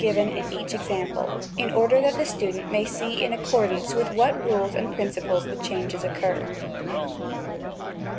19 given in each example, in order that the student may see in accordance with what rules and principles the changes occur.